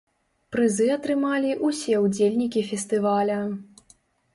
Прызы атрымалі ўсе ўдзельнікі фестываля.